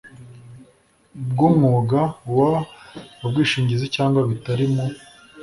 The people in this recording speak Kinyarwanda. bw umwuga w ubwishingizi cyangwa bitari mu